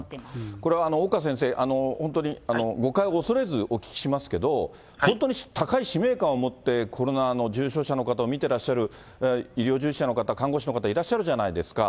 これは岡先生、本当に、誤解を恐れずお聞きしますけど、本当に高い使命感を持って、コロナの重症者の方を診てらっしゃる医療従事者の方、看護師の方、いらっしゃるじゃないですか。